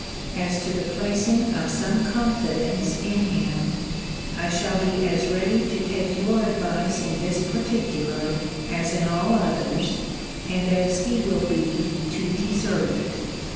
As to the placing of some confidence in him, I shall be as ready to take your advice in this particular, as in all others, and as he will be to deserve it.